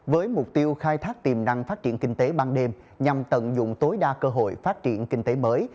với mục tiêu khai thác tiềm năng phát triển kinh tế ban đêm nhằm tận dụng tối đa cơ hội phát triển kinh tế mới